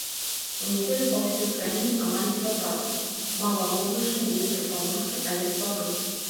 У нядзелю па ўсёй краіне амаль без ападкаў, малавоблачна, вецер паўночны але слабы.